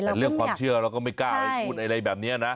แต่เรื่องความเชื่อเราก็ไม่กล้าไปพูดอะไรแบบนี้นะ